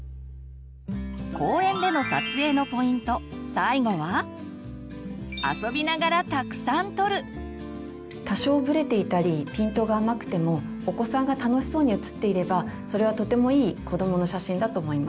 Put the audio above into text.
最後は多少ブレていたりピントが甘くてもお子さんが楽しそうに写っていればそれはとてもいい子どもの写真だと思います。